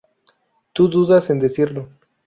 tu dudas en decirlo